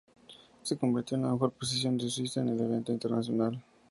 Se convirtió en la mejor posición de Suiza en el evento internacional.